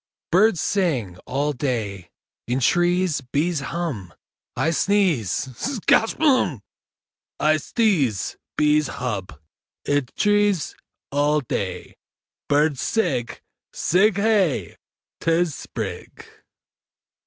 Birds sing All day. In trees Bees hum I sneeze Skatch Humb!! I sdeeze. Bees hub. Id trees All day Birds sig. Sig Hey! 'Tis Sprig!